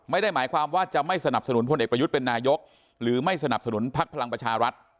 ไม่ได้หมายความว่าจะไม่สนับสนุนพลเอกประยุทธ์เป็นนายกหรือไม่สนับสนุนพักพลังประชารัฐ